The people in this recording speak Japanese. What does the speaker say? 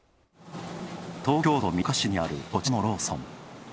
東京都三鷹市にある、こちらのローソン。